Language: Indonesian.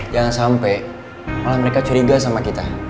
jangan sampai malah mereka curiga sama kita